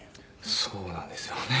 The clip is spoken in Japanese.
そうなんですよね。